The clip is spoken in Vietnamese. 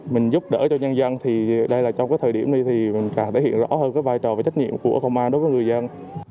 mình giúp đỡ cho nhân dân thì đây là trong cái thời điểm này thì mình càng thể hiện rõ hơn cái vai trò và trách nhiệm của công an đối với người dân